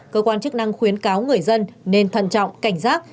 cơ quan chức năng khuyến cáo người dân nên thận trọng cảnh giác